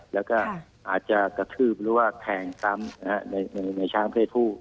แล้วก็อาจจะกระทืบหรือว่าแทงซ้ำในช้างเพศผู้